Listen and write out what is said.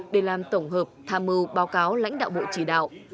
để làm tổng hợp tham mưu báo cáo lãnh đạo bộ chỉ đạo